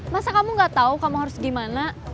masa kamu gak tahu kamu harus gimana